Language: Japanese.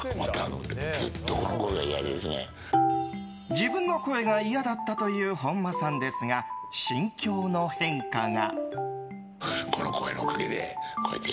自分の声が嫌だったという本間さんですが、心境の変化が。